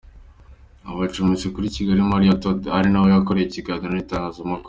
Ubu acumbitse kuri Kigali Marriot Hotel ari naho yakoreye ikiganiro n’itangazamakuru.